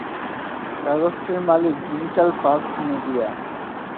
কাগজটির মালিক Digital First media.